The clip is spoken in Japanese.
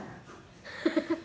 ハハハハ！